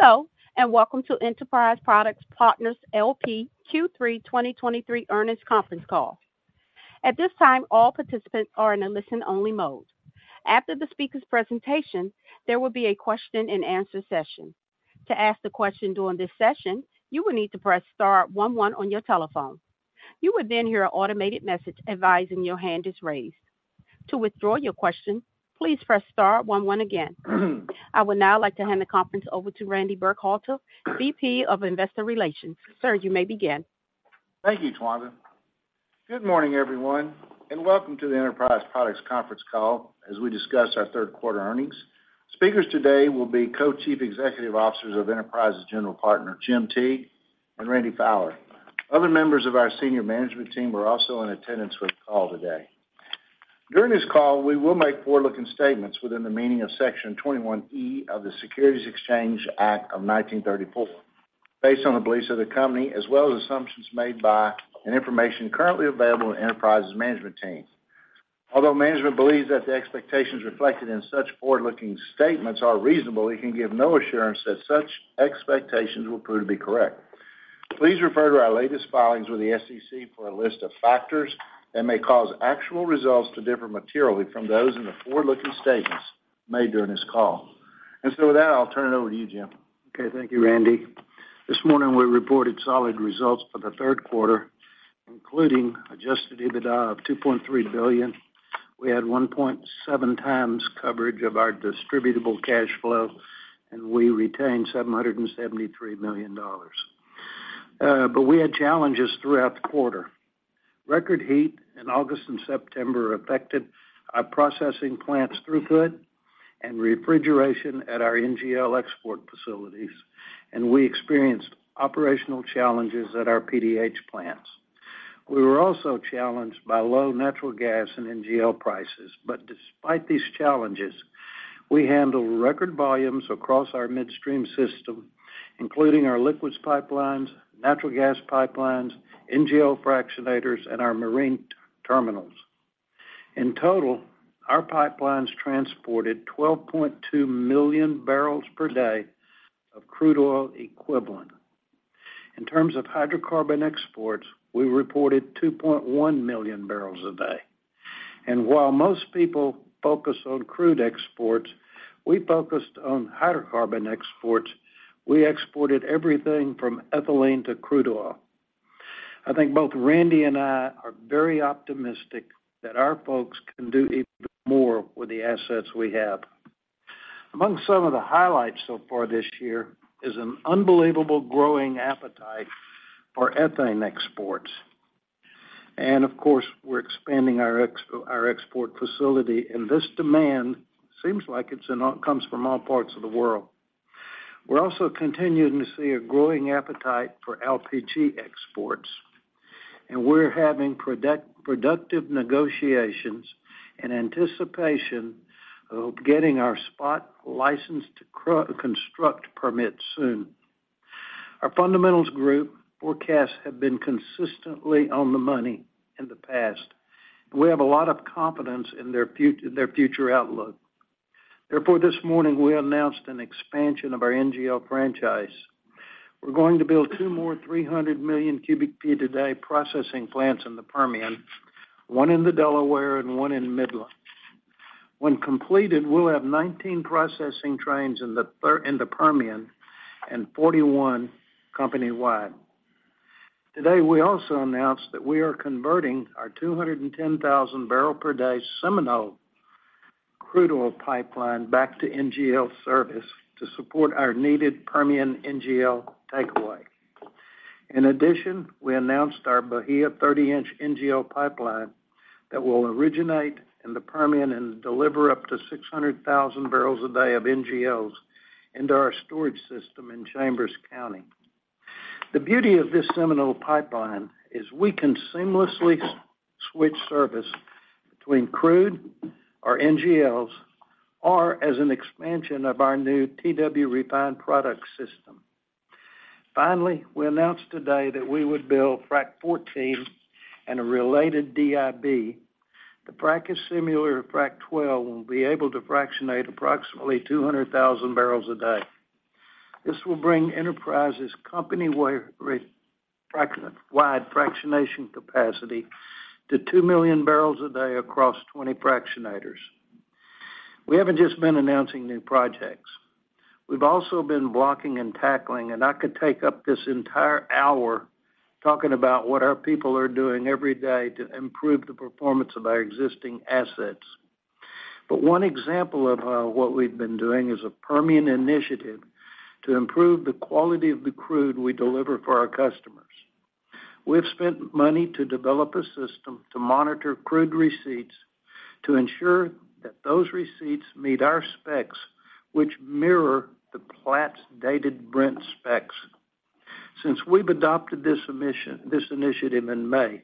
Hello, and welcome to Enterprise Products Partners L.P. Q3 2023 Earnings Conference Call. At this time, all participants are in a listen-only mode. After the speaker's presentation, there will be a question-and-answer session. To ask the question during this session, you will need to press star one one on your telephone. You would then hear an automated message advising your hand is raised. To withdraw your question, please press star one one again. I would now like to hand the conference over to Randy Burkhalter, VP of Investor Relations. Sir, you may begin. Thank you, Tawanda. Good morning, everyone, and welcome to the Enterprise Products conference call as we discuss our Q3 earnings. Speakers today will be Co-Chief Executive Officers of Enterprise's General Partner, Jim Teague and Randy Fowler. Other members of our senior management team are also in attendance with the call today. During this call, we will make forward-looking statements within the meaning of Section 21E of the Securities Exchange Act of 1934, based on the beliefs of the company, as well as assumptions made by and information currently available in Enterprise's management team. Although management believes that the expectations reflected in such forward-looking statements are reasonable, it can give no assurance that such expectations will prove to be correct. Please refer to our latest filings with the SEC for a list of factors that may cause actual results to differ materially from those in the forward-looking statements made during this call. And so with that, I'll turn it over to you, Jim. Okay, thank you, Randy. This morning, we reported solid results for the Q3, including Adjusted EBITDA of $2.3 billion. We had 1.7 times coverage of our distributable cash flow, and we retained $773 million. But we had challenges throughout the quarter. Record heat in August and September affected our processing plants' throughput and refrigeration at our NGL export facilities, and we experienced operational challenges at our PDH plants. We were also challenged by low natural gas and NGL prices. But despite these challenges, we handled record volumes across our midstream system, including our liquids pipelines, natural gas pipelines, NGL fractionators, and our marine terminals. In total, our pipelines transported 12.2 million barrels per day of crude oil equivalent. In terms of hydrocarbon exports, we reported 2.1 million barrels a day. While most people focus on crude exports, we focused on hydrocarbon exports. We exported everything from ethylene to crude oil. I think both Randy and I are very optimistic that our folks can do even more with the assets we have. Among some of the highlights so far this year is an unbelievable growing appetite for ethane exports. And of course, we're expanding our export facility, and this demand seems like it comes from all parts of the world. We're also continuing to see a growing appetite for LPG exports, and we're having productive negotiations in anticipation of getting our SPOT license to construct permit soon. Our fundamentals group forecasts have been consistently on the money in the past, and we have a lot of confidence in their future outlook. Therefore, this morning we announced an expansion of our NGL franchise. We're going to build 2 more 300 million cubic feet a day processing plants in the Permian, one in the Delaware and one in Midland. When completed, we'll have 19 processing trains in the Permian and 41 company-wide. Today, we also announced that we are converting our 210,000 barrel per day Seminole crude oil pipeline back to NGL service to support our needed Permian NGL takeaway. In addition, we announced our Bahia 30-inch NGL pipeline that will originate in the Permian and deliver up to 600,000 barrels a day of NGLs into our storage system in Chambers County. The beauty of this Seminole pipeline is we can seamlessly switch service between crude or NGLs, or as an expansion of our new TW refined product system. Finally, we announced today that we would build Frac 14 and a related DIB. The frac is similar to Frac 12 and will be able to fractionate approximately 200,000 barrels a day. This will bring Enterprise's company-wide fractionation capacity to 2 million barrels a day across 20 fractionators. We haven't just been announcing new projects. We've also been blocking and tackling, and I could take up this entire hour talking about what our people are doing every day to improve the performance of our existing assets. But one example of what we've been doing is a Permian initiative to improve the quality of the crude we deliver for our customers. We've spent money to develop a system to monitor crude receipts to ensure that those receipts meet our specs, which mirror the Platts Dated Brent specs. Since we've adopted this initiative in May,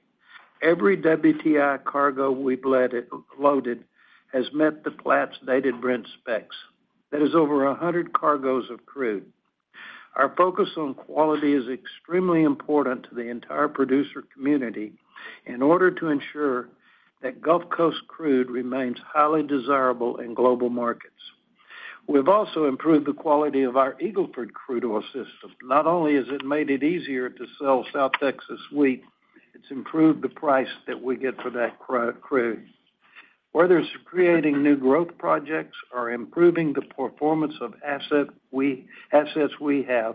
every WTI cargo we've loaded has met the Platts dated Brent specs. That is over 100 cargoes of crude. Our focus on quality is extremely important to the entire producer community in order to ensure that Gulf Coast crude remains highly desirable in global markets. We've also improved the quality of our Eagle Ford crude oil system. Not only has it made it easier to sell South Texas Sweet, it's improved the price that we get for that crude. Whether it's creating new growth projects or improving the performance of assets we have,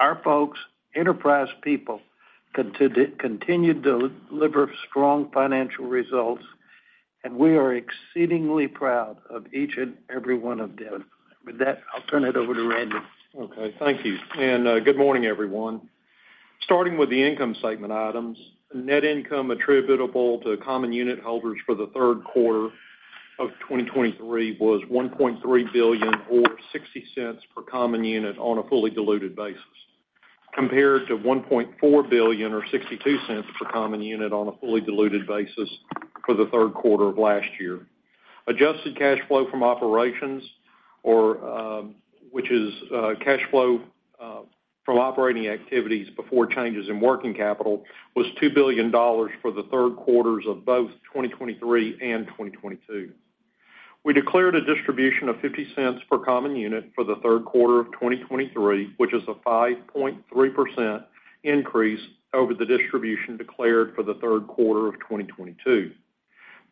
our folks, Enterprise people, continue to deliver strong financial results, and we are exceedingly proud of each and every one of them. With that, I'll turn it over to Randy. Okay, thank you. Good morning, everyone. Starting with the income statement items, net income attributable to common unit holders for the Q3 of 2023 was $1.3 billion or $0.60 per common unit on a fully diluted basis, compared to $1.4 billion or $0.62 per common unit on a fully diluted basis for the Q3 of last year. Adjusted cash flow from operations, or which is cash flow from operating activities before changes in working capital, was $2 billion for the Q3 of both 2023 and 2022. We declared a distribution of $0.50 per common unit for the Q3 of 2023, which is a 5.3% increase over the distribution declared for the Q3 of 2022.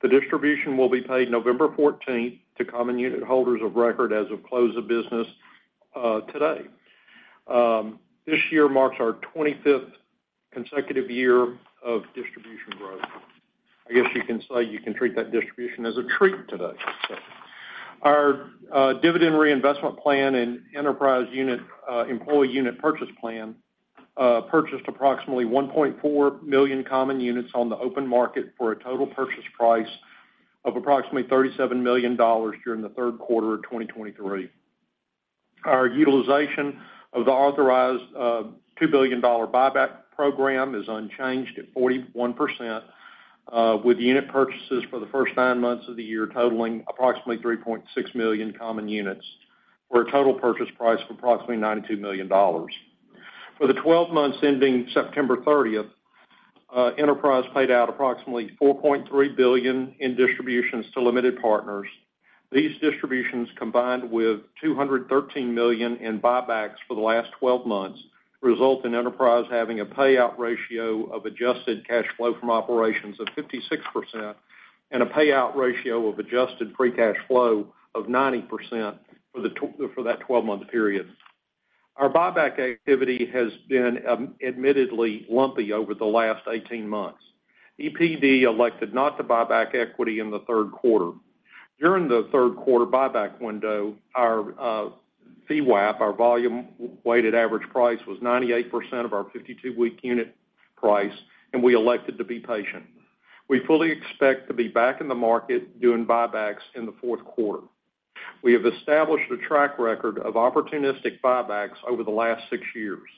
The distribution will be paid November 14 to common unit holders of record as of close of business today. This year marks our 25th consecutive year of distribution growth. I guess you can say you can treat that distribution as a treat today. Our dividend reinvestment plan and Enterprise unit employee unit purchase plan purchased approximately 1.4 million common units on the open market for a total purchase price of approximately $37 million during the Q3 of 2023. Our utilization of the authorized $2 billion buyback program is unchanged at 41%, with unit purchases for the first nine months of the year totaling approximately 3.6 million common units, for a total purchase price of approximately $92 million. For the 12 months ending September 30th, Enterprise paid out approximately $4.3 billion in distributions to limited partners. These distributions, combined with $213 million in buybacks for the last 12 months, result in Enterprise having a payout ratio of adjusted cash flow from operations of 56% and a payout ratio of adjusted free cash flow of 90% for that 12-month period. Our buyback activity has been, admittedly lumpy over the last 18 months. EPD elected not to buy back equity in the Q3. During the Q3 buyback window, our VWAP, our volume weighted average price, was 98% of our 52-week unit price, and we elected to be patient. We fully expect to be back in the market doing buybacks in the Q4. We have established a track record of opportunistic buybacks over the last six years.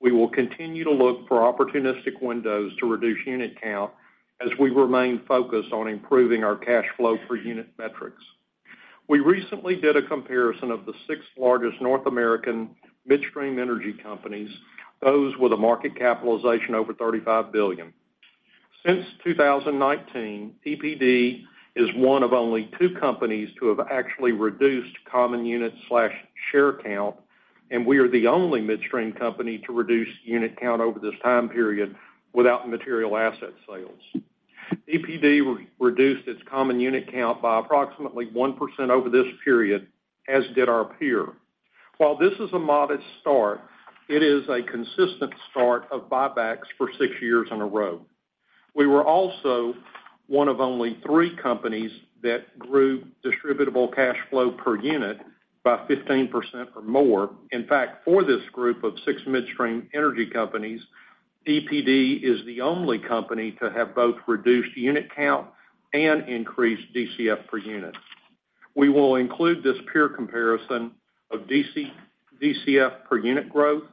We will continue to look for opportunistic windows to reduce unit count as we remain focused on improving our cash flow per unit metrics. We recently did a comparison of the six largest North American midstream energy companies, those with a market capitalization over $35 billion. Since 2019, EPD is one of only two companies to have actually reduced common unit/share count, and we are the only midstream company to reduce unit count over this time period without material asset sales. EPD reduced its common unit count by approximately 1% over this period, as did our peer. While this is a modest start, it is a consistent start of buybacks for six years in a row. We were also one of only three companies that grew distributable cash flow per unit by 15% or more. In fact, for this group of six midstream energy companies, EPD is the only company to have both reduced unit count and increased DCF per unit. We will include this peer comparison of DCF per unit growth,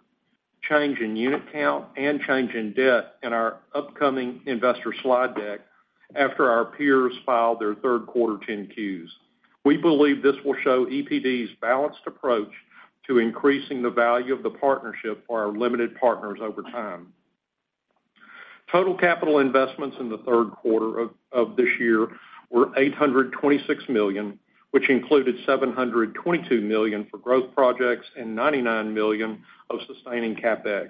change in unit count, and change in debt in our upcoming investor slide deck after our peers file their Q3 10-Qs. We believe this will show EPD's balanced approach to increasing the value of the partnership for our limited partners over time. Total capital investments in the Q3 of this year were $826 million, which included $722 million for growth projects and $99 million of sustaining CapEx.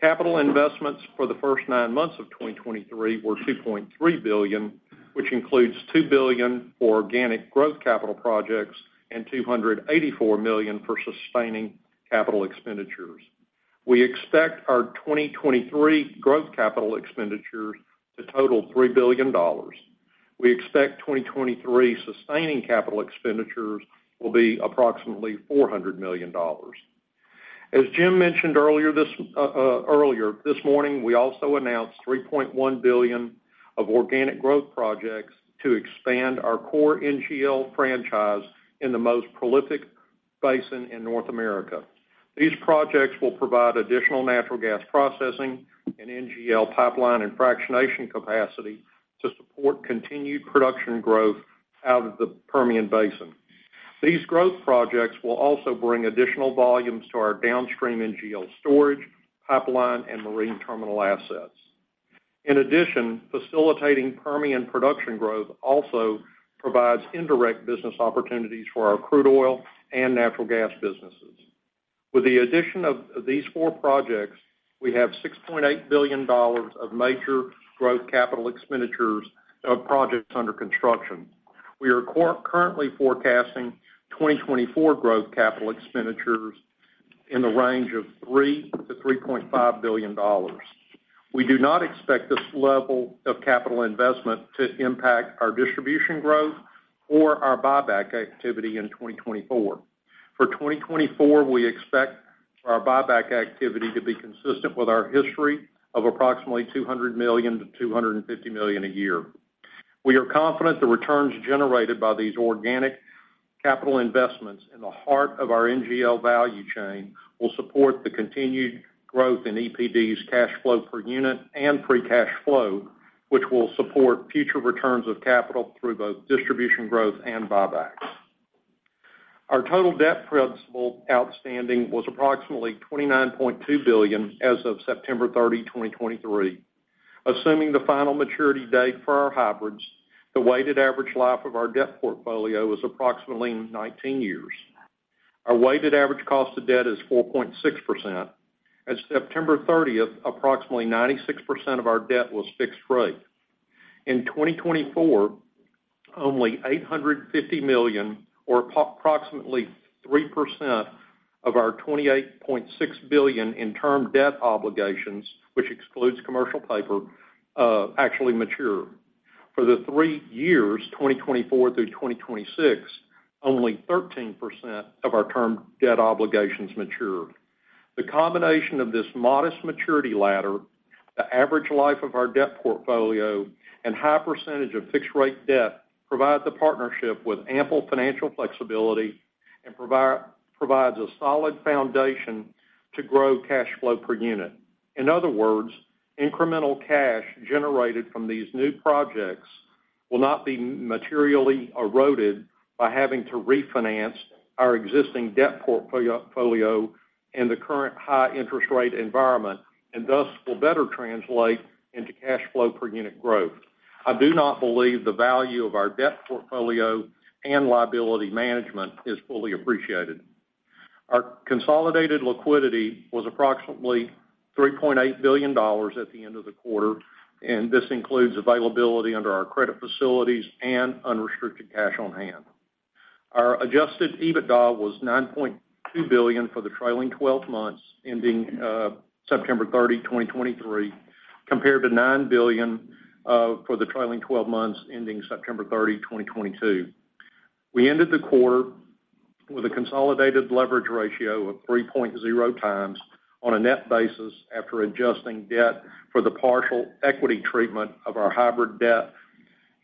Capital investments for the first nine months of 2023 were $2.3 billion, which includes $2 billion for organic growth capital projects and $284 million for sustaining capital expenditures. We expect our 2023 growth capital expenditures to total $3 billion. We expect 2023 sustaining capital expenditures will be approximately $400 million. As Jim mentioned earlier this morning, we also announced $3.1 billion of organic growth projects to expand our core NGL franchise in the most prolific basin in North America. These projects will provide additional natural gas processing and NGL pipeline and fractionation capacity to support continued production growth out of the Permian Basin. These growth projects will also bring additional volumes to our downstream NGL storage, pipeline, and marine terminal assets. In addition, facilitating Permian production growth also provides indirect business opportunities for our crude oil and natural gas businesses. With the addition of these four projects, we have $6.8 billion of major growth capital expenditures of projects under construction. We are currently forecasting 2024 growth capital expenditures in the range of $3-3.5 billion. We do not expect this level of capital investment to impact our distribution growth or our buyback activity in 2024. For 2024, we expect our buyback activity to be consistent with our history of approximately $200 million-$250 million a year. We are confident the returns generated by these organic capital investments in the heart of our NGL value chain will support the continued growth in EPD's cash flow per unit and free cash flow, which will support future returns of capital through both distribution growth and buybacks. Our total debt principal outstanding was approximately $29.2 billion as of September 30, 2023. Assuming the final maturity date for our hybrids, the weighted average life of our debt portfolio was approximately 19 years. Our weighted average cost of debt is 4.6%. As of September 30th, approximately 96% of our debt was fixed rate. In 2024, only $850 million or approximately 3% of our $28.6 billion in term debt obligations, which excludes commercial paper, actually mature. For the three years, 2024 through 2026, only 13% of our term debt obligations mature. The combination of this modest maturity ladder, the average life of our debt portfolio, and high percentage of fixed-rate debt, provides the partnership with ample financial flexibility and provides a solid foundation to grow cash flow per unit. In other words, incremental cash generated from these new projects will not be materially eroded by having to refinance our existing debt portfolio in the current high interest rate environment, and thus, will better translate into cash flow per unit growth. I do not believe the value of our debt portfolio and liability management is fully appreciated. Our consolidated liquidity was approximately $3.8 billion at the end of the quarter, and this includes availability under our credit facilities and unrestricted cash on hand. Our adjusted EBITDA was $9.2 billion for the trailing twelve months, ending September 30, 2023, compared to $9 billion for the trailing twelve months, ending September 30, 2022. We ended the quarter with a consolidated leverage ratio of 3.0 times on a net basis, after adjusting debt for the partial equity treatment of our hybrid debt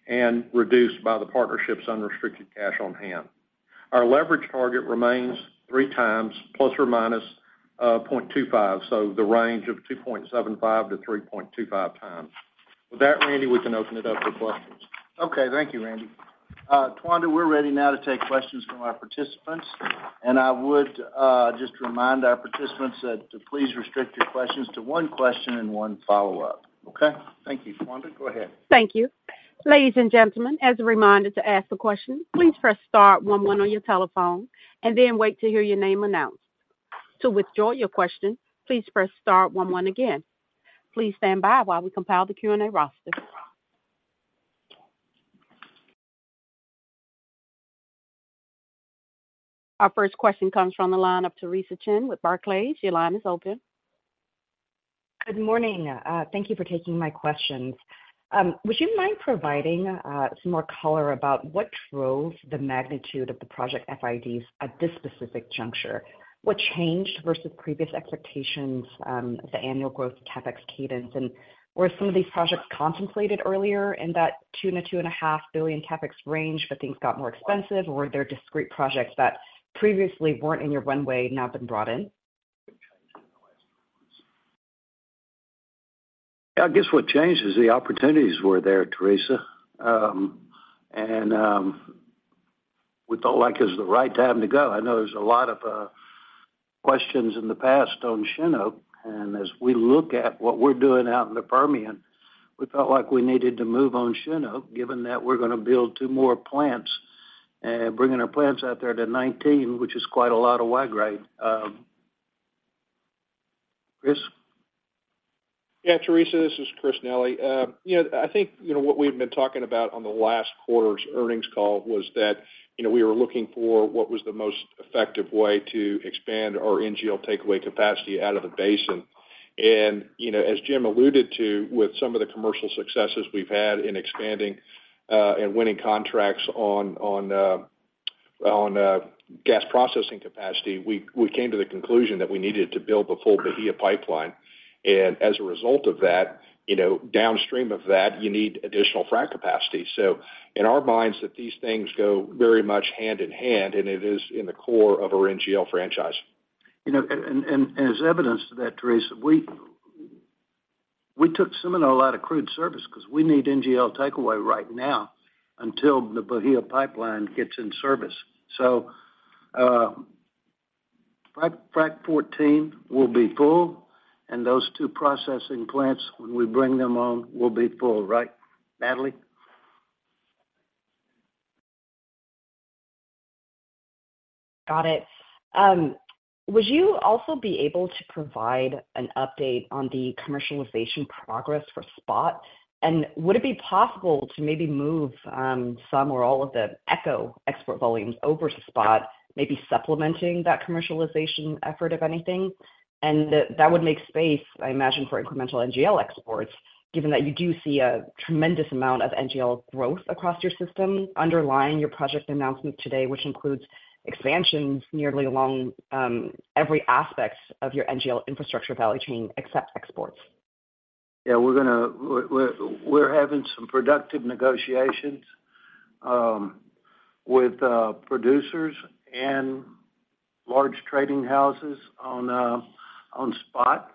and reduced by the partnership's unrestricted cash on hand. Our leverage target remains 3 times ±0.25, so the range of 2.75-3.25 times. With that, Randy, we can open it up for questions. Okay, thank you, Randy. Tawanda, we're ready now to take questions from our participants, and I would just remind our participants to please restrict your questions to one question and one follow-up. Okay? Thank you. Tawanda, go ahead. Thank you. Ladies and gentlemen, as a reminder to ask a question, please press star one one on your telephone and then wait to hear your name announced. To withdraw your question, please press star one one again. Please stand by while we compile the Q&A roster. Our first question comes from the line of Theresa Chen with Barclays. Your line is open. Good morning. Thank you for taking my questions. Would you mind providing some more color about what drove the magnitude of the project FIDs at this specific juncture? What changed versus previous expectations, the annual growth CapEx cadence, and were some of these projects contemplated earlier in that $2 billion-2.5 billion CapEx range, but things got more expensive, or were there discrete projects that previously weren't in your runway, now been brought in? I guess what changed is the opportunities were there, Theresa. We felt like it was the right time to go. I know there's a lot of questions in the past on Chinook, and as we look at what we're doing out in the Permian, we felt like we needed to move on Chinook, given that we're going to build 2 more plants, bringing our plants out there to 19, which is quite a lot of Y-grade. Chris? Yeah, Theresa, this is Chris Nelly. You know, I think, you know, what we've been talking about on the last quarter's earnings call was that, you know, we were looking for what was the most effective way to expand our NGL takeaway capacity out of the basin. And, you know, as Jim alluded to, with some of the commercial successes we've had in expanding, and winning contracts on gas processing capacity, we came to the conclusion that we needed to build the full Bahia Pipeline. And as a result of that, you know, downstream of that, you need additional frac capacity. So in our minds, that these things go very much hand in hand, and it is in the core of our NGL franchise. You know, as evidence to that, Theresa, we took Seminole out of crude service because we need NGL takeaway right now until the Bahia Pipeline gets in service. So, Frac 14 will be full, and those two processing plants, when we bring them on, will be full. Right, Natalie? Got it. Would you also be able to provide an update on the commercialization progress for SPOT? And would it be possible to maybe move some or all of the ECHO export volumes over to SPOT, maybe supplementing that commercialization effort, if anything? And that would make space, I imagine, for incremental NGL exports, given that you do see a tremendous amount of NGL growth across your system underlying your project announcement today, which includes expansions nearly along every aspect of your NGL infrastructure value chain except exports. Yeah, we're gonna. We're having some productive negotiations with producers and large trading houses on SPOT.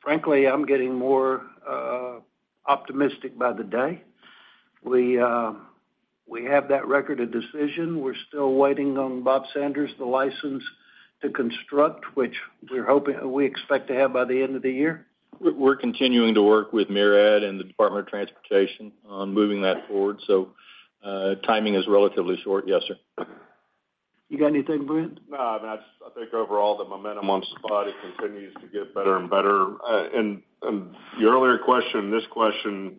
Frankly, I'm getting more optimistic by the day. We have that Record of Decision. We're still waiting on Bob Sanders, the license to construct, which we expect to have by the end of the year. We're continuing to work with MARAD and the Department of Transportation on moving that forward. So, timing is relatively short. Yes, sir. You got anything, Brent? No, that's—I think overall, the momentum on SPOT. It continues to get better and better. And your earlier question, this question,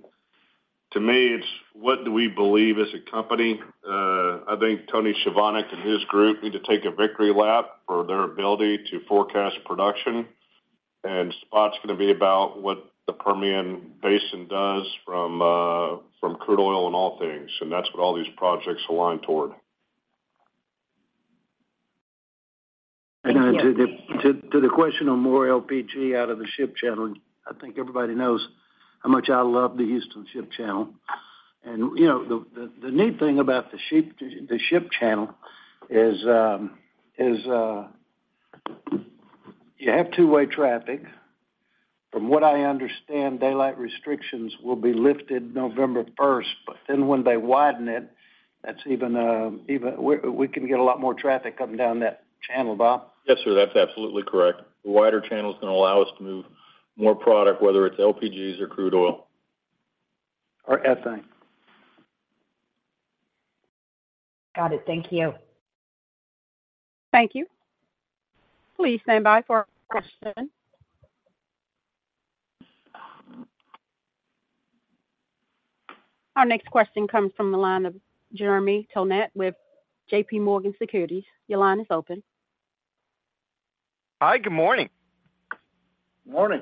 to me, it's what do we believe as a company? I think Tony Chovanec and his group need to take a victory lap for their ability to forecast production, and SPOT's gonna be about what the Permian Basin does from, from crude oil and all things, and that's what all these projects align toward. Thank you. To the question on more LPG out of the ship channel, I think everybody knows how much I love the Houston Ship Channel. And, you know, the neat thing about the ship channel is you have two-way traffic. From what I understand, daylight restrictions will be lifted November first, but then when they widen it, that's even, even we can get a lot more traffic up and down that channel, Bob. Yes, sir, that's absolutely correct. The wider channel is going to allow us to move more product, whether it's LPGs or crude oil. Or ethane. Got it. Thank you. Thank you. Please stand by for a question. Our next question comes from the line of Jeremy Tonet with JP Morgan Securities. Your line is open. Hi, good morning. Morning.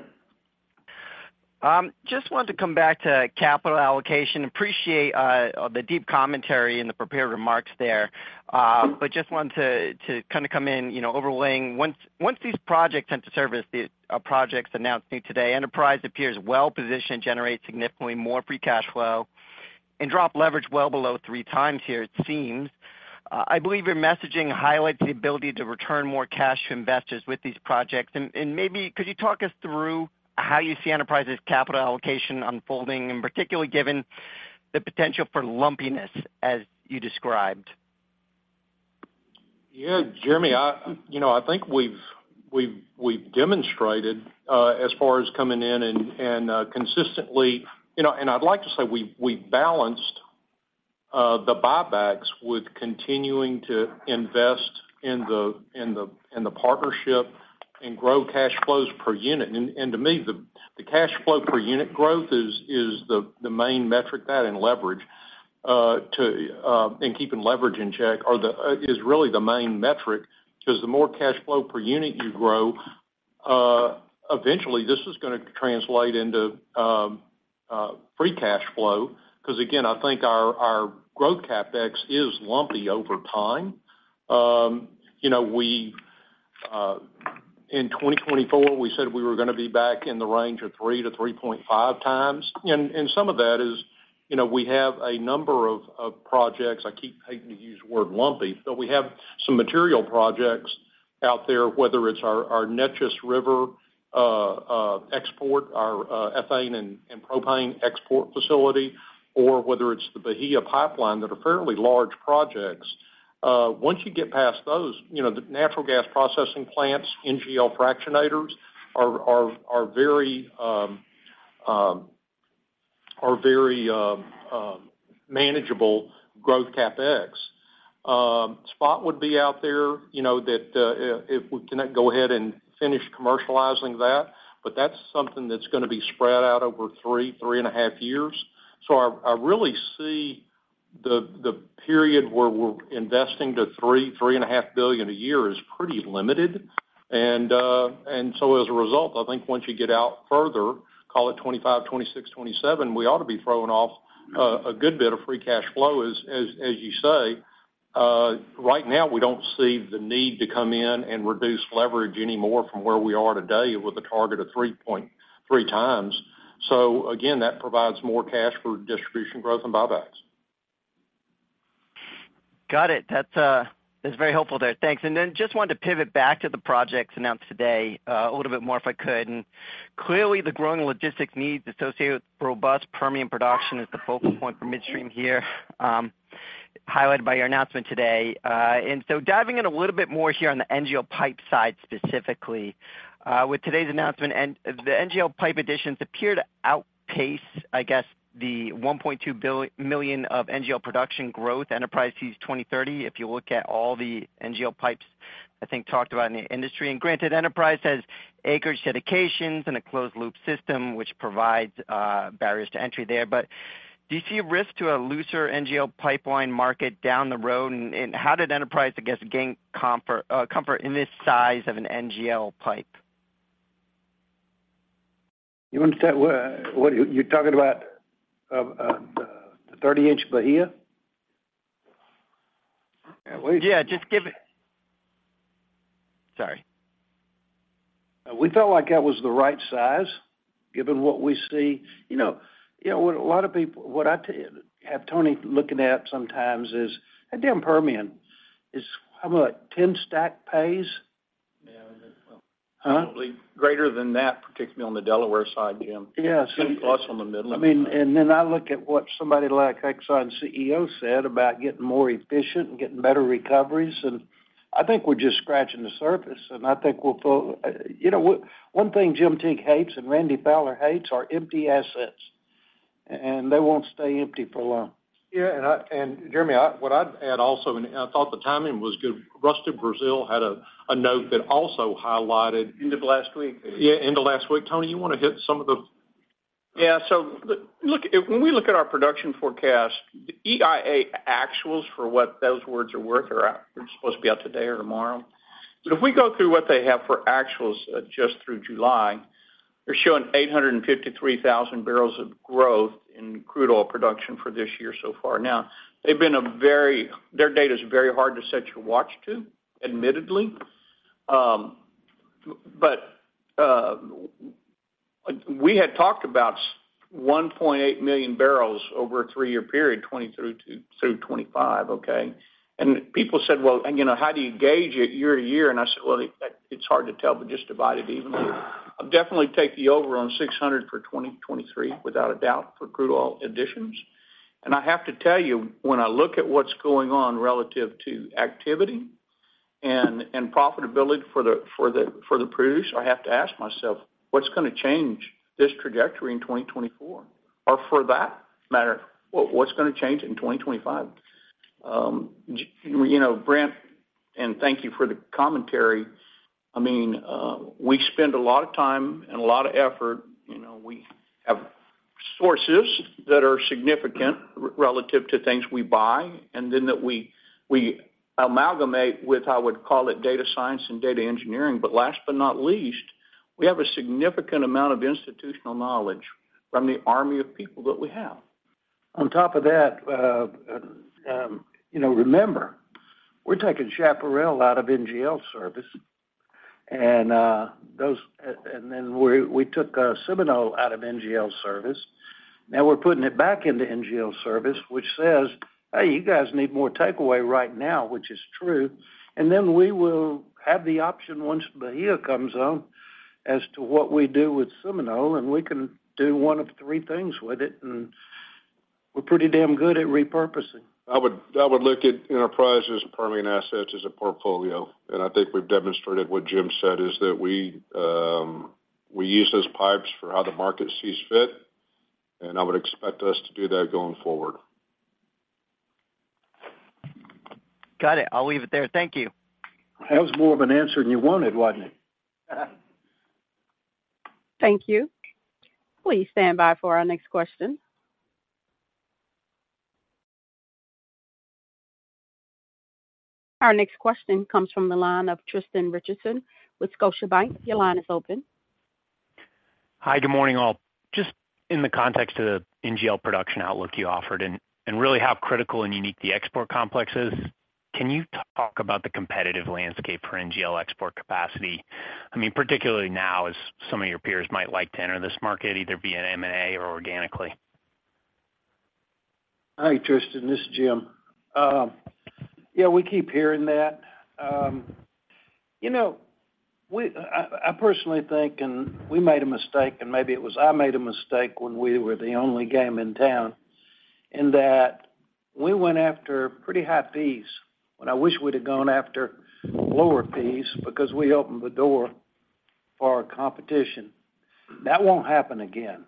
Just wanted to come back to capital allocation. Appreciate the deep commentary and the prepared remarks there, but just wanted to kind of come in, you know, overlaying. Once these projects come to service, the projects announcing today, Enterprise appears well-positioned to generate significantly more free cash flow and drop leverage well below three times here, it seems. I believe your messaging highlights the ability to return more cash to investors with these projects. And maybe could you talk us through how you see Enterprise's capital allocation unfolding, and particularly given the potential for lumpiness, as you described? Yeah, Jeremy, you know, I think we've demonstrated as far as coming in and consistently. You know, and I'd like to say we've balanced the buybacks with continuing to invest in the partnership and grow cash flows per unit. And to me, the cash flow per unit growth is the main metric, that and leverage, to and keeping leverage in check are the is really the main metric, because the more cash flow per unit you grow, eventually this is gonna translate into free cash flow. Because, again, I think our growth CapEx is lumpy over time. You know, we in 2024, we said we were gonna be back in the range of 3-3.5 times. Some of that is, you know, we have a number of projects. I keep hating to use the word lumpy, but we have some material projects out there, whether it's our Neches River export, our ethane and propane export facility, or whether it's the Bahia Pipeline that are fairly large projects. Once you get past those, you know, the natural gas processing plants, NGL fractionators are very manageable growth CapEx. SPOT would be out there, you know, that if we cannot go ahead and finish commercializing that, but that's something that's gonna be spread out over 3.5 years. So I really see the period where we're investing to $3.5 billion a year is pretty limited. And so as a result, I think once you get out further, call it 2025, 2026, 2027, we ought to be throwing off a good bit of free cash flow, as you say. Right now, we don't see the need to come in and reduce leverage any more from where we are today with a target of 3.3 times. So again, that provides more cash for distribution growth and buybacks. ... Got it. That's very helpful there. Thanks. Then just wanted to pivot back to the projects announced today, a little bit more if I could. Clearly, the growing logistics needs associated with robust Permian production is the focal point for midstream here, highlighted by your announcement today. So diving in a little bit more here on the NGL pipe side, specifically, with today's announcement, and the NGL pipe additions appear to outpace, I guess, the 1.2 billion of NGL production growth Enterprise sees 2030. If you look at all the NGL pipes, I think, talked about in the industry, and granted, Enterprise has acreage dedications and a closed-loop system, which provides barriers to entry there. But do you see a risk to a looser NGL pipeline market down the road, and how did Enterprise, I guess, gain confidence in this size of an NGL pipe? You understand what you're talking about, the 30-inch Bahia? Yeah, just give it... Sorry. We felt like that was the right size, given what we see. You know, you know, what I have Tony looking at sometimes is, at damn Permian, is how about 10 stack pays? Yeah. Huh? Probably greater than that, particularly on the Delaware side, Jim. Yes. Plus, on the middle. I mean, and then I look at what somebody like Exxon CEO said about getting more efficient and getting better recoveries, and I think we're just scratching the surface, and I think we'll. You know, one thing Jim Teague hates and Randy Fowler hates are empty assets, and they won't stay empty for long. Yeah, and Jeremy, what I'd add also, and I thought the timing was good. Rusty Braziel had a note that also highlighted- End of last week. Yeah, end of last week. Tony, you want to hit some of the- Yeah, so look, when we look at our production forecast, the EIA actuals, for what those words are worth, are out, they're supposed to be out today or tomorrow. But if we go through what they have for actuals, just through July, they're showing 853,000 barrels of growth in crude oil production for this year so far. Now, their data is very hard to set your watch to, admittedly. But we had talked about 1.8 million barrels over a three-year period, 2023 through 2025, okay? And people said, "Well, and, you know, how do you gauge it year to year?" And I said, "Well, it's hard to tell, but just divide it evenly." I'll definitely take the over on 600 for 2023, without a doubt, for crude oil additions. I have to tell you, when I look at what's going on relative to activity and profitability for the producer, I have to ask myself, what's going to change this trajectory in 2024? Or for that matter, what's going to change it in 2025? You know, Brent, and thank you for the commentary. I mean, we spend a lot of time and a lot of effort. You know, we have sources that are significant relative to things we buy and then that we amalgamate with, I would call it, data science and data engineering. But last but not least, we have a significant amount of institutional knowledge from the army of people that we have. On top of that, you know, remember, we're taking Chaparral out of NGL service, and then we took Seminole out of NGL service. Now we're putting it back into NGL service, which says, "Hey, you guys need more takeaway right now," which is true. And then we will have the option once Bahia comes on, as to what we do with Seminole, and we can do one of three things with it, and we're pretty damn good at repurposing. I would, I would look at Enterprise's Permian assets as a portfolio, and I think we've demonstrated what Jim said, is that we, we use those pipes for how the market sees fit, and I would expect us to do that going forward. Got it. I'll leave it there. Thank you. That was more of an answer than you wanted, wasn't it? Thank you. Please stand by for our next question. Our next question comes from the line of Tristan Richardson with Scotiabank. Your line is open. Hi, good morning, all. Just in the context of the NGL production outlook you offered and really how critical and unique the export complex is, can you talk about the competitive landscape for NGL export capacity? I mean, particularly now, as some of your peers might like to enter this market, either via M&A or organically. Hi, Tristan, this is Jim. Yeah, we keep hearing that. You know, I personally think, and we made a mistake, and maybe it was I made a mistake when we were the only game in town, in that we went after pretty high fees, when I wish we'd have gone after lower fees, because we opened the door for our competition. That won't happen again.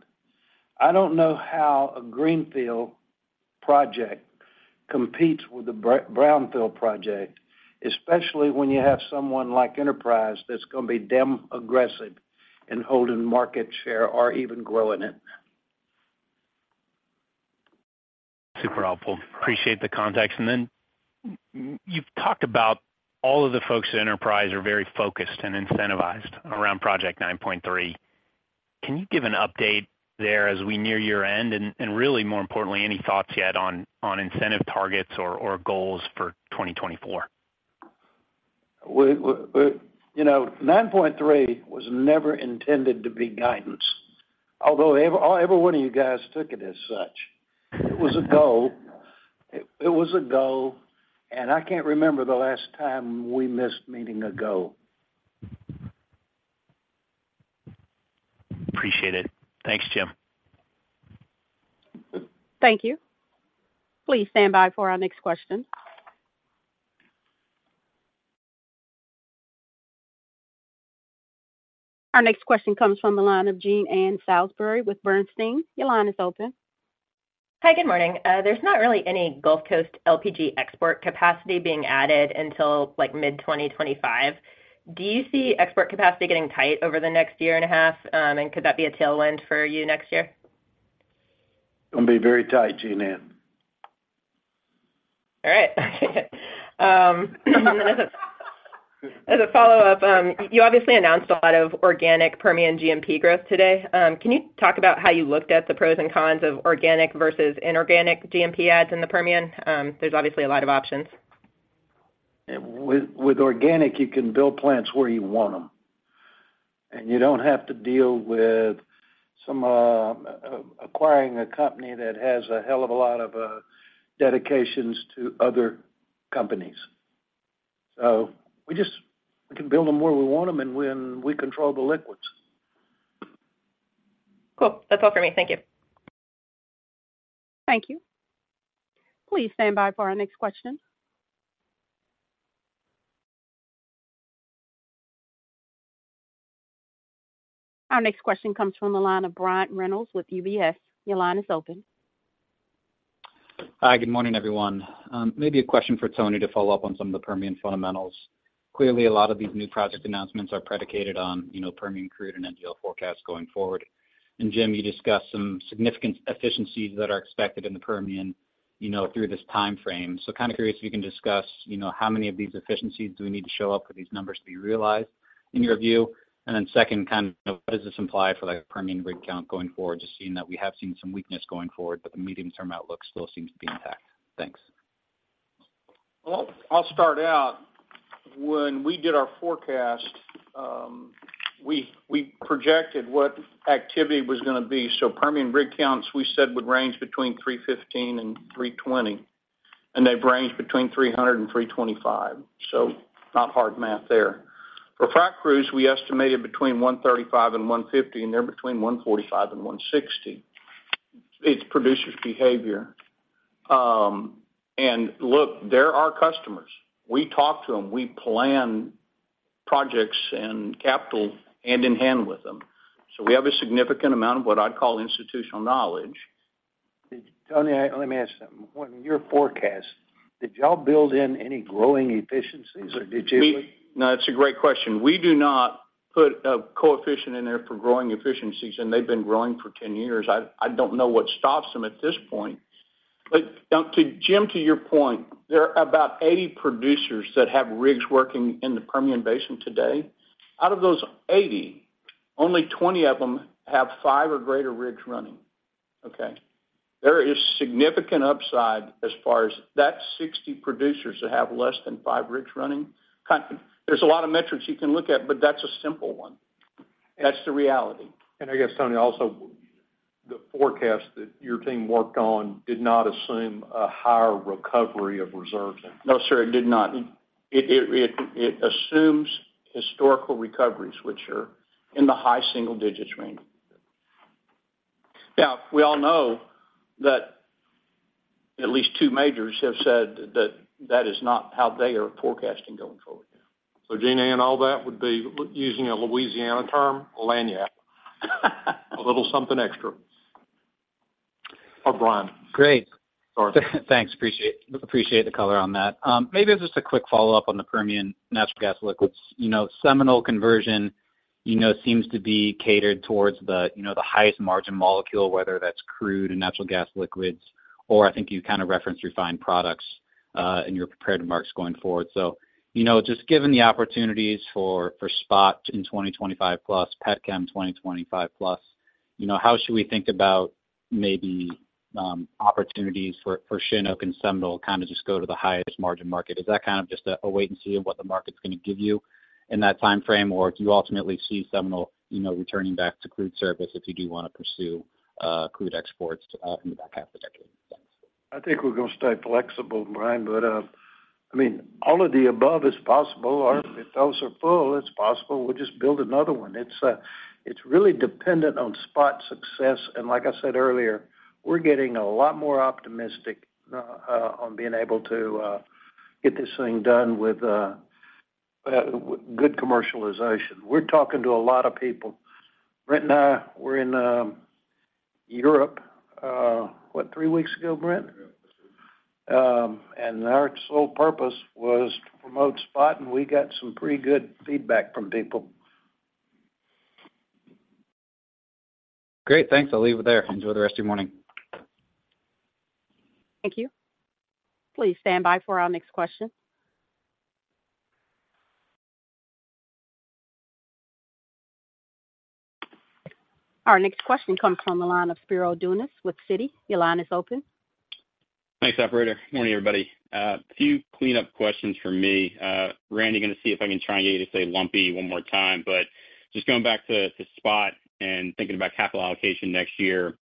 I don't know how a greenfield project competes with a brownfield project, especially when you have someone like Enterprise that's going to be damn aggressive in holding market share or even growing it. Super helpful. Appreciate the context. And then, you've talked about all of the folks at Enterprise are very focused and incentivized around Project 9.3. Can you give an update there as we near year-end? And, really, more importantly, any thoughts yet on incentive targets or goals for 2024?... We, you know, 9.3 was never intended to be guidance, although every one of you guys took it as such. It was a goal. It was a goal, and I can't remember the last time we missed meeting a goal. Appreciate it. Thanks, Jim. Thank you. Please stand by for our next question. Our next question comes from the line of Jean Ann Salisbury, with Bernstein. Your line is open. Hi, good morning. There's not really any Gulf Coast LPG export capacity being added until, like, mid-2025. Do you see export capacity getting tight over the next year and a half, and could that be a tailwind for you next year? It'll be very tight, Jean Ann. All right. As a follow-up, you obviously announced a lot of organic Permian GMP growth today. Can you talk about how you looked at the pros and cons of organic versus inorganic GMP adds in the Permian? There's obviously a lot of options. With organic, you can build plants where you want them. And you don't have to deal with some acquiring a company that has a hell of a lot of dedications to other companies. So we just—we can build them where we want them, and when we control the liquids. Cool. That's all for me. Thank you. Thank you. Please stand by for our next question. Our next question comes from the line of Brian Reynolds, with UBS. Your line is open. Hi, good morning, everyone. Maybe a question for Tony to follow up on some of the Permian fundamentals. Clearly, a lot of these new project announcements are predicated on, you know, Permian crude and NGL forecast going forward. And Jim, you discussed some significant efficiencies that are expected in the Permian, you know, through this timeframe. So kind of curious if you can discuss, you know, how many of these efficiencies do we need to show up for these numbers to be realized in your view? And then second, kind of, what does this imply for, like, Permian rig count going forward, just seeing that we have seen some weakness going forward, but the medium-term outlook still seems to be intact. Thanks. Well, I'll start out. When we did our forecast, we projected what activity was gonna be. So Permian rig counts, we said, would range between 315 and 320, and they've ranged between 300 and 325, so not hard math there. For frac crews, we estimated between 135 and 150, and they're between 145 and 160. It's producer's behavior. And look, they're our customers. We talk to them. We plan projects and capital hand in hand with them. So we have a significant amount of what I'd call institutional knowledge. Tony, let me ask something. When your forecast, did y'all build in any growing efficiencies, or did you? No, that's a great question. We do not put a coefficient in there for growing efficiencies, and they've been growing for 10 years. I, I don't know what stops them at this point. But, now, to Jim, to your point, there are about 80 producers that have rigs working in the Permian Basin today. Out of those 80, only 20 of them have 5 or greater rigs running, okay? There is significant upside as far as that 60 producers that have less than 5 rigs running. There's a lot of metrics you can look at, but that's a simple one. That's the reality. I guess, Tony, also, the forecast that your team worked on did not assume a higher recovery of reserves? No, sir, it did not. It assumes historical recoveries, which are in the high single digits range. Now, we all know that at least two majors have said that that is not how they are forecasting going forward. Jean Ann, and all that would be using a Louisiana term, lagniappe. A little something extra. Oh, Brian. Great. Sorry. Thanks, appreciate the color on that. Maybe just a quick follow-up on the Permian natural gas liquids. You know, Seminole conversion, you know, seems to be catered towards the, you know, the highest margin molecule, whether that's crude and natural gas liquids, or I think you kind of referenced refined products in your prepared remarks going forward. So, you know, just given the opportunities for SPOT in 2025+, petchem 2025+, you know, how should we think about maybe opportunities for Chinook and Seminole, kind of just go to the highest margin market? Is that kind of just a wait and see of what the market's gonna give you in that timeframe, or do you ultimately see Seminole, you know, returning back to crude service if you do wanna pursue, crude exports, in the back half of the decade? Thanks. I think we're gonna stay flexible, Brian, but, I mean, all of the above is possible. If those are full, it's possible, we'll just build another one. It's, it's really dependent on SPOT success, and like I said earlier, we're getting a lot more optimistic on being able to get this thing done with good commercialization. We're talking to a lot of people. Brent and I were in Europe what, three weeks ago, Brent? Yeah. Our sole purpose was to promote SPOT, and we got some pretty good feedback from people. Great, thanks. I'll leave it there. Enjoy the rest of your morning. Thank you. Please stand by for our next question. Our next question comes from the line of Spiro Dounis with Citi. Your line is open. Thanks, operator. Morning, everybody. A few cleanup questions from me. Randy, going to see if I can try and get you to say lumpy one more time, but just going back to, to SPOT and thinking about capital allocation next year,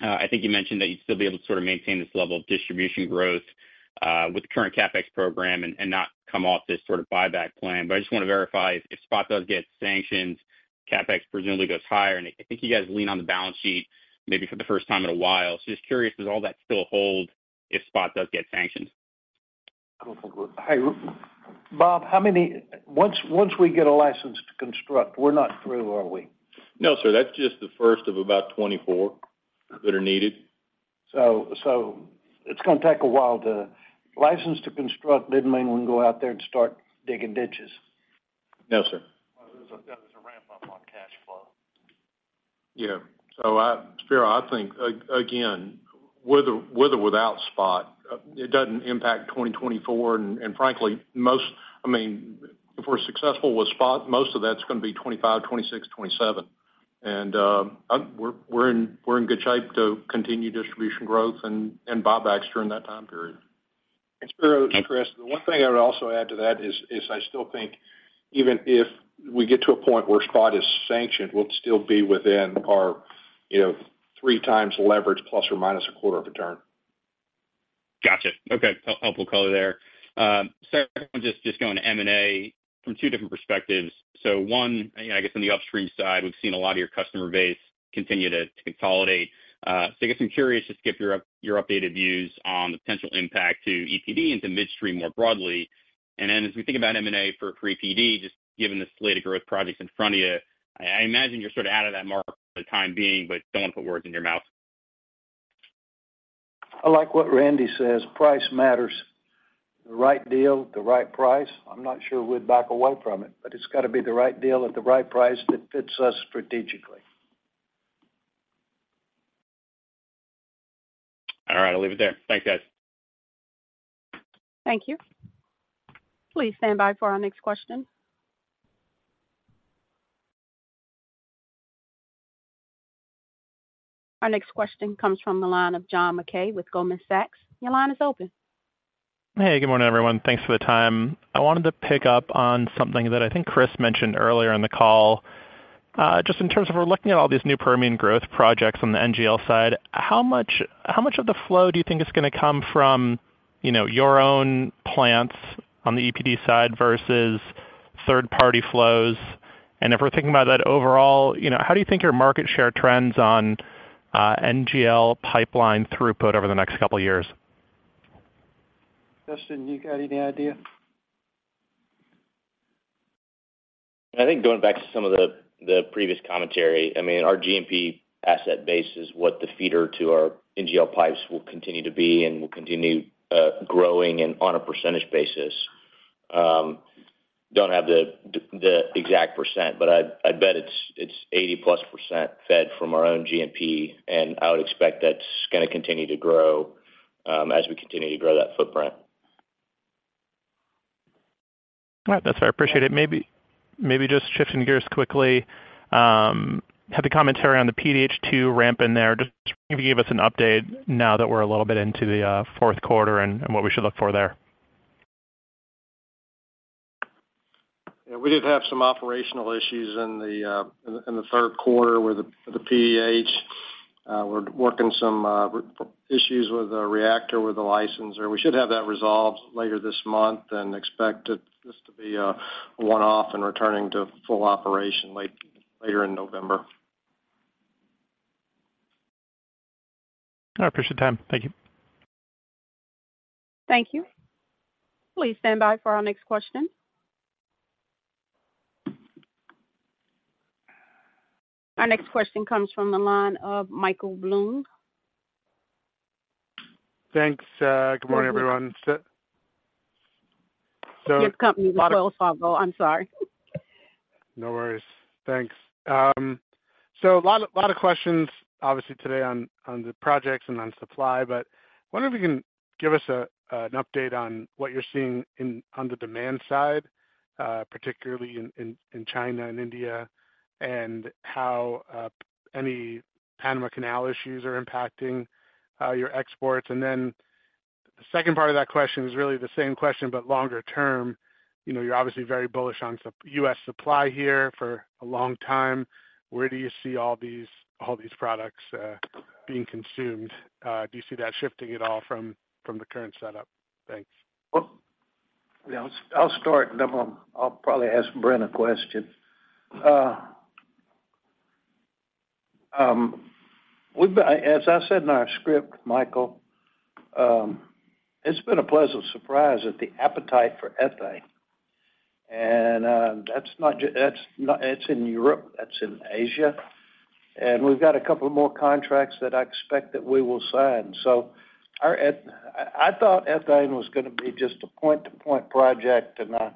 I think you mentioned that you'd still be able to sort of maintain this level of distribution growth, with the current CapEx program and, and not come off this sort of buyback plan. But I just want to verify, if SPOT does get sanctioned, CapEx presumably goes higher, and I think you guys lean on the balance sheet maybe for the first time in a while. So just curious, does all that still hold if SPOT does get sanctioned? Hey, Bob, once, once we get a license to construct, we're not through, are we? No, sir. That's just the first of about 24 that are needed. So, it's going to take a while to... license to construct didn't mean we can go out there and start digging ditches. No, sir. There's a ramp up on cash flow. Yeah. So, Spiro, I think again, with or without SPOT, it doesn't impact 2024, and frankly, most—I mean, if we're successful with SPOT, most of that's going to be 2025, 2026, 2027. And, I'm—we're in good shape to continue distribution growth and buybacks during that time period. Spiro, Chris, the one thing I would also add to that is I still think even if we get to a point where SPOT is sanctioned, we'll still be within our, you know, 3x leverage, ± a quarter of a turn. Got you. Okay. Helpful color there. Second, just going to M&A from two different perspectives. So one, I guess, on the upstream side, we've seen a lot of your customer base continue to consolidate. So I guess I'm curious to get your updated views on the potential impact to EPD into midstream more broadly. And then as we think about M&A for EPD, just given the slate of growth projects in front of you, I imagine you're sort of out of that market for the time being, but don't want to put words in your mouth. I like what Randy says: Price matters. The right deal, the right price, I'm not sure we'd back away from it, but it's got to be the right deal at the right price that fits us strategically. All right, I'll leave it there. Thanks, guys. Thank you. Please stand by for our next question. Our next question comes from the line of John Mackay with Goldman Sachs. Your line is open. Hey, good morning, everyone. Thanks for the time. I wanted to pick up on something that I think Chris mentioned earlier in the call. Just in terms of we're looking at all these new Permian growth projects on the NGL side, how much, how much of the flow do you think is going to come from, you know, your own plants on the EPD side versus third-party flows? And if we're thinking about that overall, you know, how do you think your market share trends on NGL pipeline throughput over the next couple of years? Justin, you got any idea? I think going back to some of the previous commentary, I mean, our GMP asset base is what the feeder to our NGL pipes will continue to be and will continue growing and on a percentage basis. Don't have the exact percent, but I bet it's 80%+ fed from our own GMP, and I would expect that's going to continue to grow as we continue to grow that footprint. All right. That's fair. I appreciate it. Maybe, maybe just shifting gears quickly, had the commentary on the PDH to ramp in there. Just can you give us an update now that we're a little bit into the Q4 and what we should look for there? Yeah, we did have some operational issues in the Q3 with the PDH. We're working some issues with the reactor, with the licensor. We should have that resolved later this month and expect it just to be a one-off and returning to full operation later in November. I appreciate the time. Thank you. Thank you. Please stand by for our next question. Our next question comes from the line of Michael Blum. Thanks. Good morning, everyone. Your company, the Wells Fargo. I'm sorry. No worries. Thanks. So a lot, a lot of questions, obviously, today on the projects and on supply, but I wonder if you can give us an update on what you're seeing on the demand side, particularly in China and India, and how any Panama Canal issues are impacting your exports. And then the second part of that question is really the same question, but longer term. You know, you're obviously very bullish on U.S. supply here for a long time. Where do you see all these, all these products being consumed? Do you see that shifting at all from the current setup? Thanks. Well, yeah, I'll, I'll start, and then I'll, I'll probably ask Brent a question. As I said in our script, Michael, it's been a pleasant surprise at the appetite for ethane. And that's not just—it's in Europe, that's in Asia, and we've got a couple more contracts that I expect that we will sign. So I, I thought ethane was going to be just a point-to-point project, and I,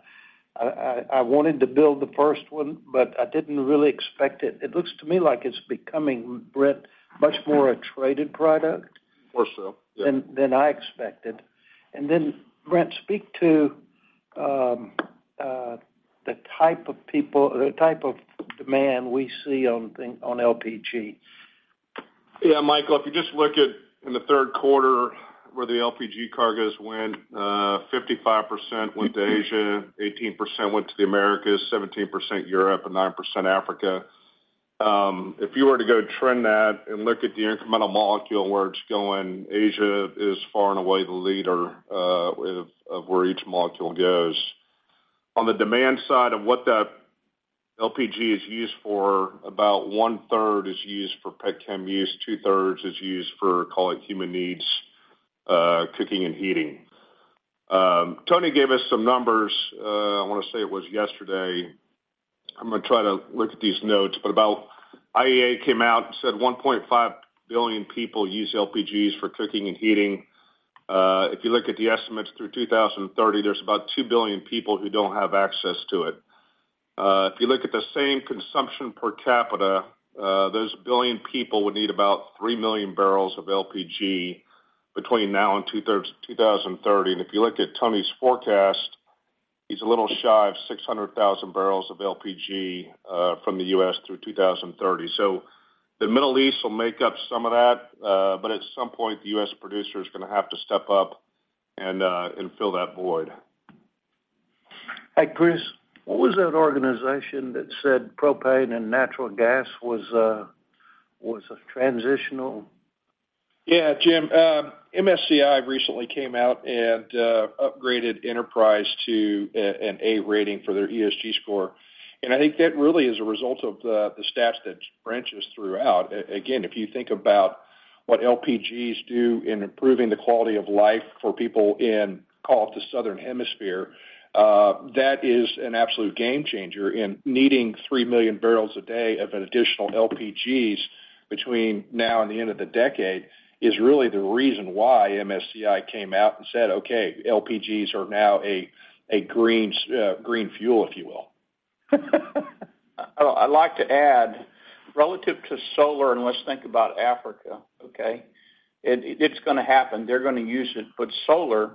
I, I wanted to build the first one, but I didn't really expect it. It looks to me like it's becoming, Brent, much more a traded product- More so, yeah. than I expected. And then, Brent, speak to...... the type of people, the type of demand we see on thing, on LPG? Yeah, Michael, if you just look at in the Q3 where the LPG cargoes went, 55% went to Asia, 18% went to the Americas, 17% Europe, and 9% Africa. If you were to go trend that and look at the incremental molecule where it's going, Asia is far and away the leader of where each molecule goes. On the demand side of what that LPG is used for, about one-third is used for petchem use, two-thirds is used for, call it, human needs, cooking and heating. Tony gave us some numbers, I want to say it was yesterday. I'm going to try to look at these notes, but about IEA came out and said 1.5 billion people use LPGs for cooking and heating. If you look at the estimates through 2030, there's about 2 billion people who don't have access to it. If you look at the same consumption per capita, those billion people would need about 3 million barrels of LPG between now and 2030. And if you look at Tony's forecast, he's a little shy of 600,000 barrels of LPG from the US through 2030. So the Middle East will make up some of that, but at some point, the US producer is going to have to step up and fill that void. Hey, Chris, what was that organization that said propane and natural gas was a transitional? Yeah, Jim, MSCI recently came out and upgraded Enterprise to an A rating for their ESG score. And I think that really is a result of the, the stats that branches throughout. Again, if you think about what LPGs do in improving the quality of life for people in, call it, the Southern Hemisphere, that is an absolute game changer in needing 3 million barrels a day of an additional LPGs between now and the end of the decade, is really the reason why MSCI came out and said, "Okay, LPGs are now a green fuel," if you will. I'd like to add, relative to solar, and let's think about Africa, okay? It's going to happen. They're going to use it. But solar,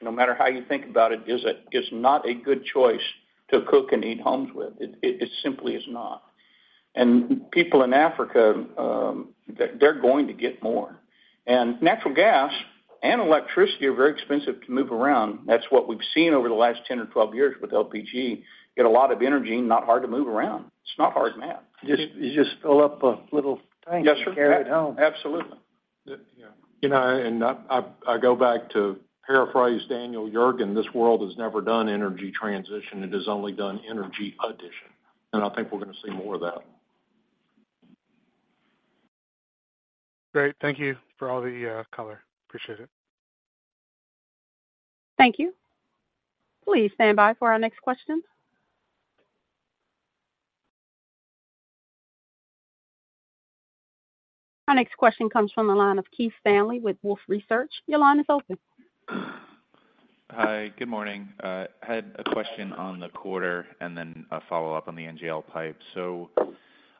no matter how you think about it, is not a good choice to cook and heat homes with. It simply is not. And people in Africa, they're going to get more. And natural gas and electricity are very expensive to move around. That's what we've seen over the last 10 or 12 years with LPG. Get a lot of energy, not hard to move around. It's not hard math. You just fill up a little tank- Yes, sir. Carry it home. Absolutely. Yeah. You know, and I go back to paraphrase Daniel Yergin, "This world has never done energy transition, it has only done energy addition." And I think we're going to see more of that. Great. Thank you for all the color. Appreciate it. Thank you. Please stand by for our next question. Our next question comes from the line of Keith Stanley with Wolfe Research. Your line is open. Hi, good morning. I had a question on the quarter and then a follow-up on the NGL pipe. So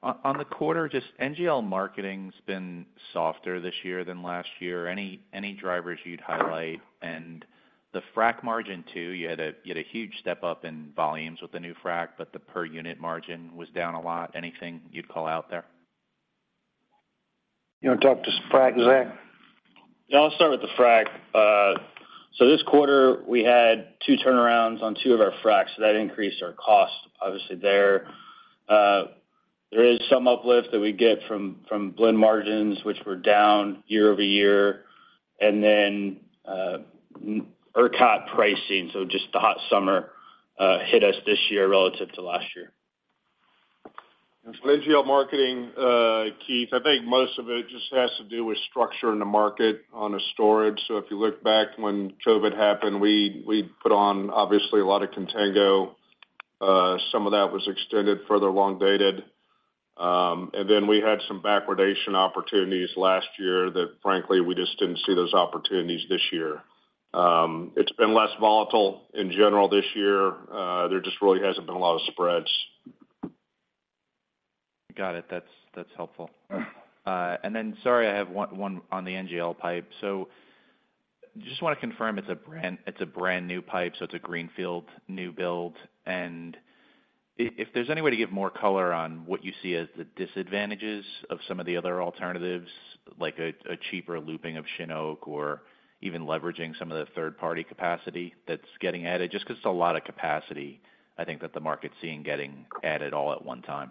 on the quarter, just NGL marketing's been softer this year than last year. Any drivers you'd highlight? And the frac margin, too, you had a huge step-up in volumes with the new frac, but the per unit margin was down a lot. Anything you'd call out there? You want to talk to fracs, Zach? Yeah, I'll start with the frac. So this quarter, we had two turnarounds on two of our fracs, so that increased our cost, obviously there. There is some uplift that we get from, from blend margins, which were down year-over-year, and then, ERCOT pricing, so just the hot summer, hit us this year relative to last year. And NGL marketing, Keith, I think most of it just has to do with structure in the market on a storage. So if you look back when COVID happened, we, we put on, obviously, a lot of contango. Some of that was extended, further long dated. And then we had some backwardation opportunities last year that, frankly, we just didn't see those opportunities this year. It's been less volatile in general this year. There just really hasn't been a lot of spreads. Got it. That's, that's helpful. And then, sorry, I have one on the NGL pipe. So just want to confirm it's a brand, it's a brand new pipe, so it's a greenfield new build. And if there's any way to give more color on what you see as the disadvantages of some of the other alternatives, like a cheaper looping of Chinook or even leveraging some of the third-party capacity that's getting added, just because it's a lot of capacity, I think that the market's seeing getting added all at one time.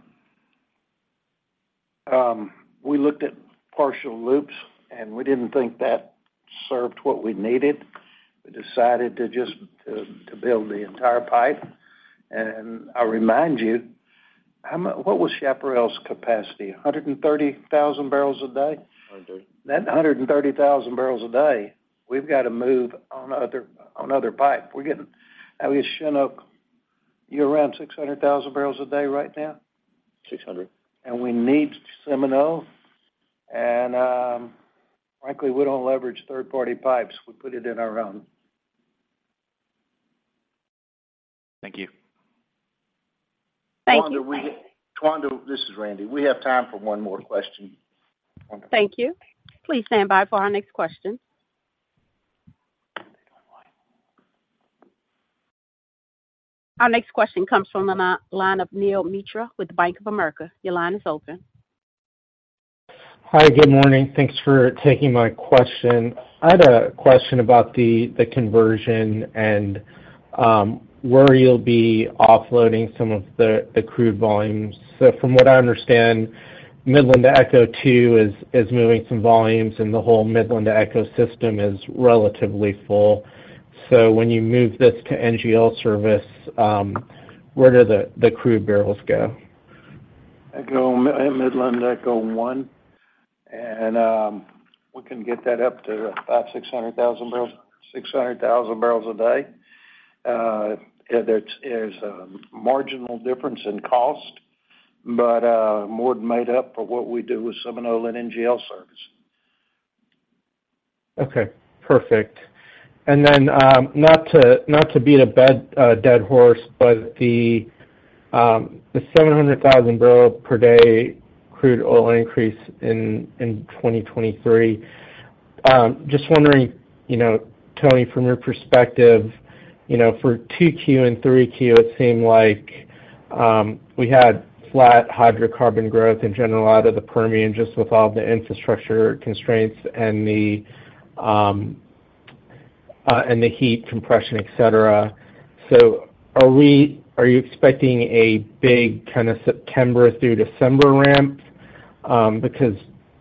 We looked at partial loops, and we didn't think that served what we needed. We decided to just build the entire pipe. I'll remind you, what was Chaparral's capacity? 130,000 barrels a day? 130. That 130,000 barrels a day, we've got to move on other, on other pipe. We're getting, I mean, Chovanec, you're around 600,000 barrels a day right now? 600. We need Seminole. Frankly, we don't leverage third-party pipes. We put it in our own. Thank you. ... Tawanda, Tawanda, this is Randy. We have time for one more question. Thank you. Please stand by for our next question. Our next question comes from the line of Neel Mitra with Bank of America. Your line is open. Hi, good morning. Thanks for taking my question. I had a question about the conversion and where you'll be offloading some of the accrued volumes. So from what I understand, Midland-to- ECHO 2 is moving some volumes, and the whole Midland-to-ECHO system is relatively full. So when you move this to NGL service, where do the crude barrels go? They go at Midland-to-ECHO 1, and we can get that up to about 600,000 barrels, 600,000 barrels a day. There's a marginal difference in cost, but more than made up for what we do with Seminole and NGL service. Okay, perfect. And then, not to beat a bad, dead horse, but the 700,000 barrels per day crude oil increase in 2023. Just wondering, you know, Tony, from your perspective, you know, for 2Q and 3Q, it seemed like we had flat hydrocarbon growth in general, out of the Permian, just with all the infrastructure constraints and the heat compression, et cetera. So are we-- are you expecting a big kind of September through December ramp? Because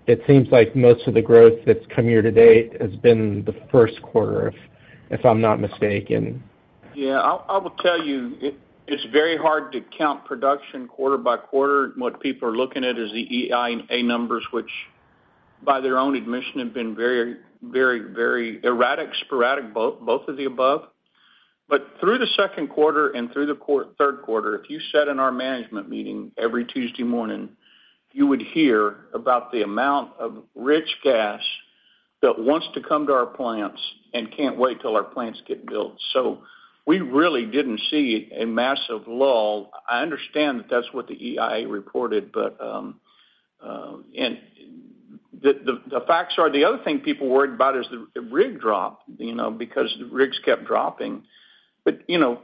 it seems like most of the growth that's come here to date has been the Q1, if I'm not mistaken. Yeah, I'll tell you, it's very hard to count production quarter-by-quarter. What people are looking at is the EIA numbers, which, by their own admission, have been very, very, very erratic, sporadic, both, both of the above. But through the Q2 and through the Q3, if you sat in our management meeting every Tuesday morning, you would hear about the amount of rich gas that wants to come to our plants and can't wait till our plants get built. So we really didn't see a massive lull. I understand that that's what the EIA reported, but the facts are, the other thing people worried about is the rig drop, you know, because the rigs kept dropping. But, you know,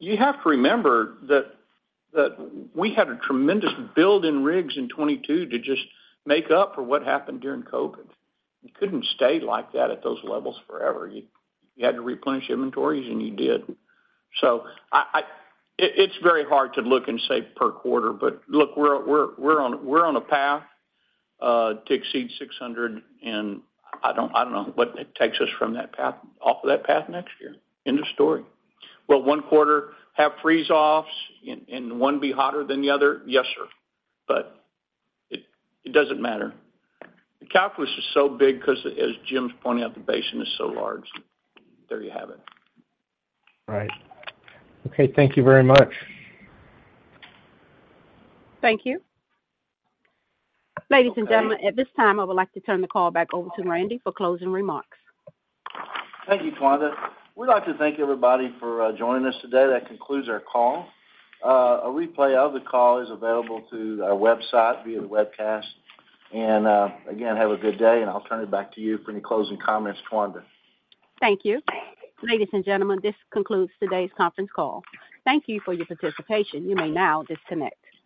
you have to remember that we had a tremendous build in rigs in 2022 to just make up for what happened during COVID. You couldn't stay like that at those levels forever. You had to replenish inventories, and you did. So it's very hard to look and say per quarter, but look, we're on a path to exceed 600, and I don't know what it takes us from that path, off of that path next year. End of story. Will one quarter have freeze-offs and one be hotter than the other? Yes, sir. But it doesn't matter. The calculus is so big because as Jim's pointing out, the basin is so large. There you have it. Right. Okay, thank you very much. Thank you. Ladies and gentlemen, at this time, I would like to turn the call back over to Randy for closing remarks. Thank you, Tawanda. We'd like to thank everybody for joining us today. That concludes our call. A replay of the call is available through our website via the webcast. And, again, have a good day, and I'll turn it back to you for any closing comments, Tawanda. Thank you. Ladies and gentlemen, this concludes today's conference call. Thank you for your participation. You may now disconnect.